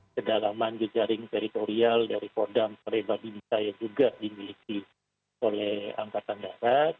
kedalaman jejaring teritorial dari kodam pribadi saya juga dimiliki oleh angkatan darat